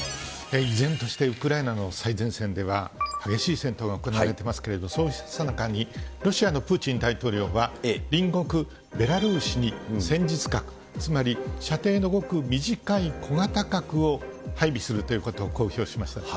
依然としてウクライナの最前線では、激しい戦闘が行われていますけれども、そのさなかに、ロシアのプーチン大統領は、隣国ベラルーシに戦術核、つまり、射程のごく短い小型核を配備するということを公表しました。